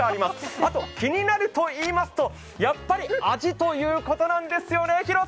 あと気になるといいますと、やっぱり味ということなんですよね。